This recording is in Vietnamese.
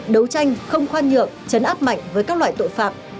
đấu tranh không khoan nhượng chấn áp mạnh với các loại tội phạm